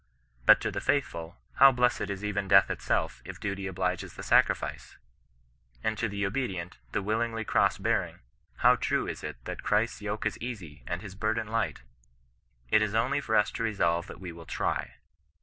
But to the faithful, how blessed is even death itself — if duty obliges the sacrifice ? And to the obedient, the willingly cross bearing, how true is it, that Christ's " yoke is easy, and his burden light /" It is only for us to resolve that we will try.